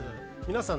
皆さん